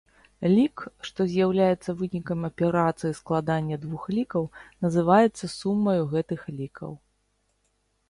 Лік, што з'яўляецца вынікам аперацыі складання двух лікаў, называецца сумаю гэтых лікаў.